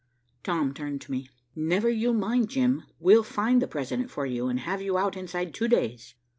Tom turned to me. "Never you mind, Jim, we'll find the President for you, and have you out inside two days."